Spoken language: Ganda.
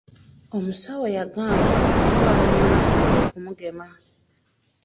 Omusawo yangamba okutwala omwana wange okugemebwa.